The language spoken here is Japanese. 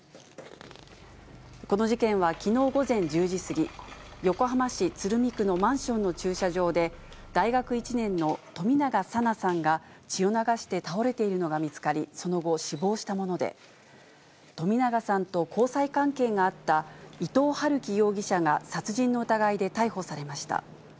この事件はきのう午前１０時過ぎ、横浜市鶴見区のマンションの駐車場で、大学１年の冨永紗菜さんが血を流して倒れているのが見つかり、その後死亡したもので、冨永さんと交際関係があった、伊藤龍稀容疑者が殺人の疑いで逮捕されました。